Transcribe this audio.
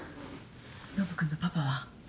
ノブ君のパパは？